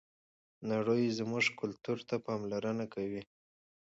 نړۍ زموږ کلتور ته پاملرنه کوي.